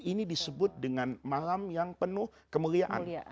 ini disebut dengan malam yang penuh kemuliaan